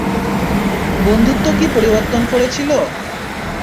বন্ধুত্ব কি পরিবর্তন করে ছিলে?